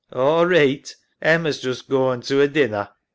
All reeght. Emma's just goin' to 'er dinner.